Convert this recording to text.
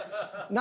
何？